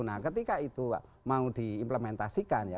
nah ketika itu mau diimplementasikan ya